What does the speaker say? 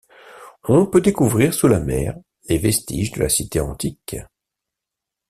On peut découvrir sous la mer les vestiges de la cité antique.